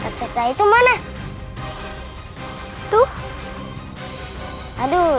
kau kemana kita raden